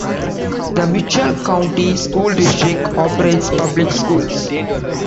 The Mitchell County School District operates public schools.